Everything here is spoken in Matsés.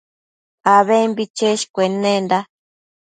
abembi cheshcuennenda